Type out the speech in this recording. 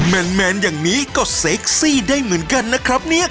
แมนอย่างนี้ก็เซ็กซี่ได้เหมือนกันนะครับเนี่ย